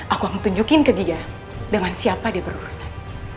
aku mau tunjukin ke dia dengan siapa dia berurusan